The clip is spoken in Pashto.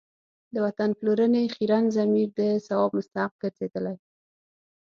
د وطن پلورنې خیرن ضمیر د ثواب مستحق ګرځېدلی.